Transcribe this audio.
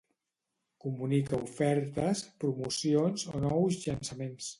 Comunica ofertes, promocions, o nous llançaments